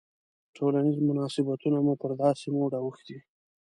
ټولنیز مناسبتونه مو پر داسې موډ اوښتي.